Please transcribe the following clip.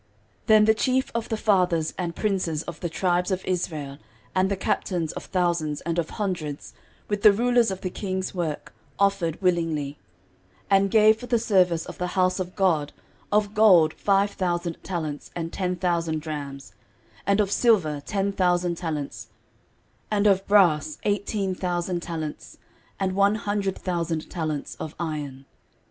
13:029:006 Then the chief of the fathers and princes of the tribes of Israel and the captains of thousands and of hundreds, with the rulers of the king's work, offered willingly, 13:029:007 And gave for the service of the house of God of gold five thousand talents and ten thousand drams, and of silver ten thousand talents, and of brass eighteen thousand talents, and one hundred thousand talents of iron.